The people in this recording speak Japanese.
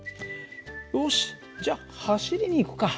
よしじゃあ走りに行くか。